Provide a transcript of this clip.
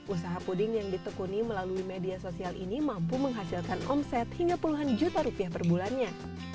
usaha puding yang ditekuni melalui media sosial ini mampu menghasilkan omset hingga puluhan juta rupiah per bulannya